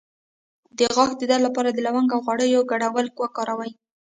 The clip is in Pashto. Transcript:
د غاښ د درد لپاره د لونګ او غوړیو ګډول وکاروئ